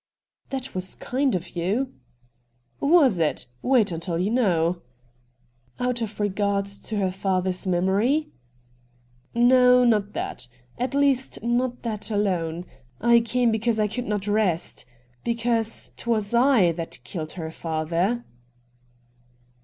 * That was kind of you '' Was it ? Wait until you know.' * Out of regard for her father's memory ?'' No ; not that. At least not that alone. I came because I could not rest — because 'twas I that killed her father.'